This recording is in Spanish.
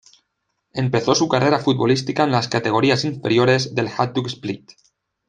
Empezó su carrera futbolística en las categorías inferiores del Hajduk Split.